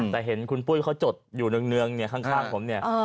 แต่เห็นคุณปุ้ยเขาจดอยู่เนืองข้างผม